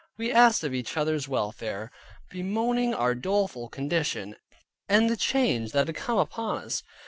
We asked of each other's welfare, bemoaning our doleful condition, and the change that had come upon us.